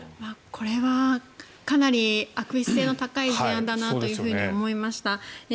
これはかなり悪質性の高い事案だなというふうに思いました。